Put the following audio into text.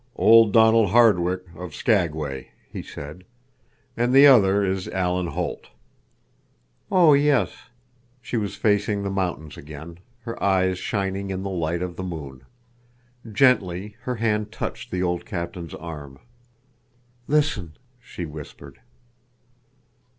"Old Donald Hardwick, of Skagway," he said. "And the other is Alan Holt." "Oh, yes." She was facing the mountains again, her eyes shining in the light of the moon. Gently her hand touched the old captain's arm. "Listen," she whispered.